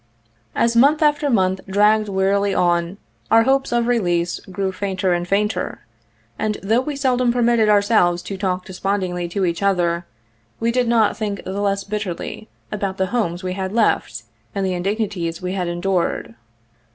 As month after month dragged wearily on, our hopes of release grew fainter and fainter, and though we seldom permitted ourselves to talk despondingly to each other, we did not tli ink the less bitterly about the homes we had left and the indignities we had endured.